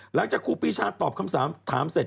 หลังจากครูปีชาตอบคำถามเสร็จ